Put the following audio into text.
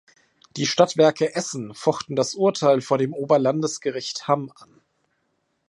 Die Stadtwerke Essen fochten das Urteil vor dem Oberlandesgericht Hamm an.